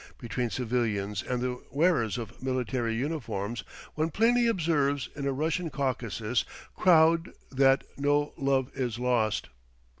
Between civilians and the wearers of military uniforms one plainly observes in a Russian Caucasus crowd that no love is lost.